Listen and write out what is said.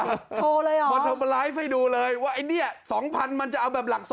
โทรเลยหรอมาทำไปไลฟ์ให้ดูเลยว่าไอ้เนี้ย๒๐๐๐มันจะเอาแบบหลัก๒๐๐๐๐